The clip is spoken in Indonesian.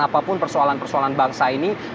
apapun persoalan persoalan bangsa ini